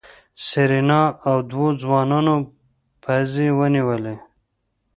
سېرېنا او دوو ځوانانو پزې ونيولې.